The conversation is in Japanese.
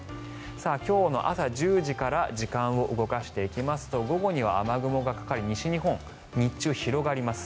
今日の朝１０時から時間を動かしていきますと午後には雨雲がかかり西日本、日中広がります。